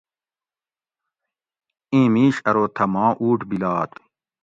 اِیں مِیش ارو تھہ ماں اُوٹ بِلات